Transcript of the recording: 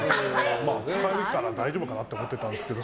使えるから大丈夫かなと思ってたんですけど。